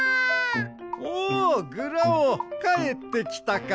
おおグラオかえってきたか。